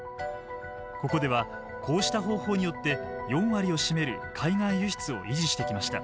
ここではこうした方法によって４割を占める海外輸出を維持してきました。